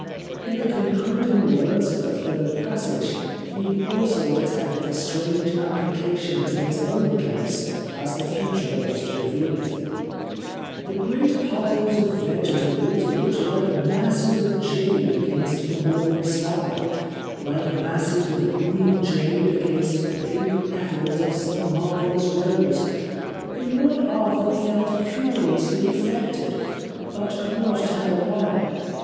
In the concluding words of the third passage we also detect a strange application to his own case as the future was to reveal it. " The great piles of vegetables looked like 318 The Life of Oscar Wilde masses of jade against the morning sky, like masses of green jade against the pink petals of some marvellous rose. Lord Arthur felt curi ously affected, but could not tell why.